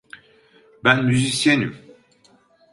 Ben müzisyenim.